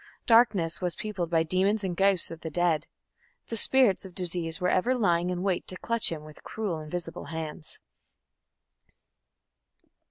Darkness was peopled by demons and ghosts of the dead. The spirits of disease were ever lying in wait to clutch him with cruel invisible hands.